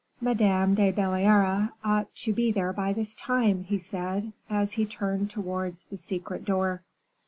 Madame de Belliere ought to be there by this time," he said, as he turned towards the secret door.